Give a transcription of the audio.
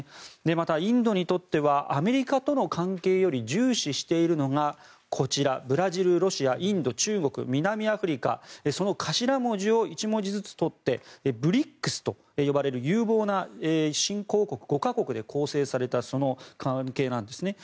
また、インドにとってはアメリカとの関係より重視しているのがこちらブラジル、ロシアインド、中国、南アフリカその頭文字を１文字ずつ取ってＢＲＩＣＳと呼ばれる有望な新興国５か国で構成されたその関係なんですね。